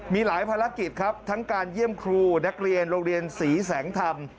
มีหลายภารกิจครับทั้งการเยี่ยมครูนักเรียนโรงเรียนศรีแสงธรรม